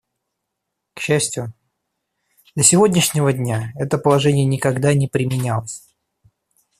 К счастью, до сегодняшнего дня это положение никогда не применялось.